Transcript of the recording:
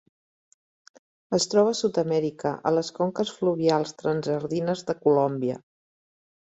Es troba a Sud-amèrica, a les conques fluvials transandines de Colòmbia.